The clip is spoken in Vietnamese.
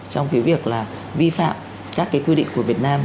trong cái việc là vi phạm các cái quy định của việt nam